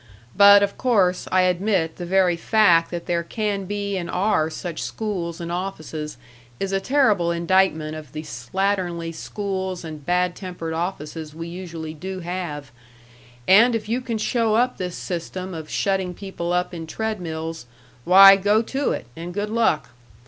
But, of course, I admit the very fact that there can be and are such schools and offices is a terrible indictment of the slatternly schools and bad tempered offices we usually do have, and if you can show up this system of shutting people up in treadmills, why go to it, and good luck.